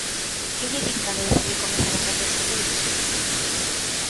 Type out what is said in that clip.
Que lle din cando decide comezar a facer sendeirismo?